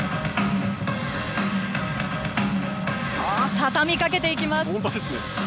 畳みかけていきます！